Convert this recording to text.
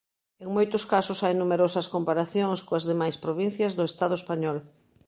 En moitos casos hai numerosas comparacións coas demais provincias do estado español.